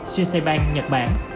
sissim bank nhật bản